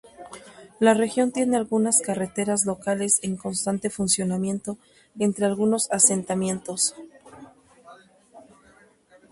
La región tiene algunas carreteras locales en constante funcionamiento entre algunos asentamientos.